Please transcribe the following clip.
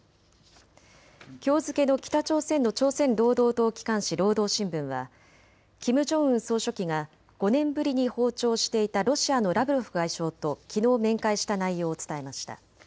きょう付けの北朝鮮の朝鮮労働党機関紙、労働新聞はキム・ジョンウン総書記が５年ぶりに訪朝していたロシアのラブロフ外相ときのう面会した内容を伝えました。